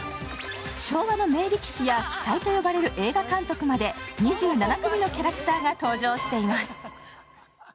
昭和の名力士や鬼才とよばれる映画監督まで２７組のキャラクターが登場しています。